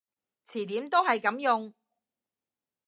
詞典都係噉用